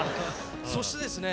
そしてですね